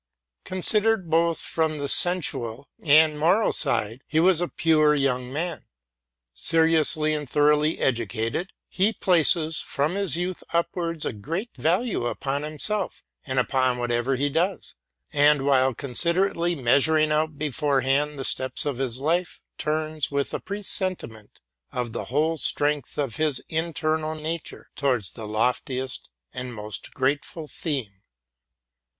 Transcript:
Considered, both from the sensual and moral side, he was a pure young man. Seriously and thoroughly educated, he places from his youth upwards a great value upon himself and upon whatever he does, and, while considerately measuring out beforehand the steps of his life, turns, with a presentiment of the whole strength of his inter nal nature, towards the loftiest and most grateful theme.